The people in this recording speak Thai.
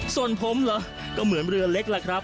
ส่วนผมเหรอก็เหมือนเรือเล็กแหละครับ